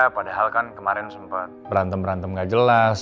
padahal kan kemarin sempet berantem berantem enggak jelas